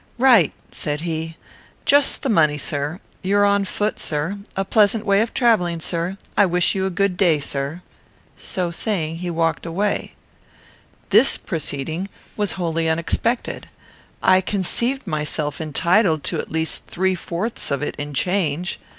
"Right," said he. "Just the money, sir. You are on foot, sir. A pleasant way of travelling, sir. I wish you a good day, sir." So saying, he walked away. This proceeding was wholly unexpected. I conceived myself entitled to at least three fourths of it in change.